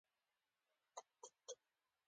مثبت کړه وړه د مثبتې نتیجې سبب ګرځي.